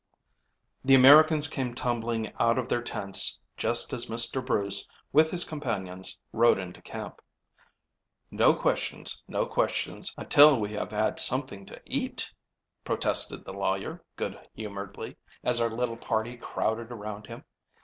THE Americans came tumbling out of their tents just as Mr. Bruce, with his companions, rode into camp. "No questions, no questions, until we have had something to eat," protested the lawyer good humoredly, as our little party crowded around him.